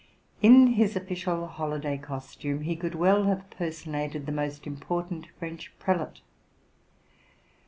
In his official holiday costume he could well have personated the most important French prelate.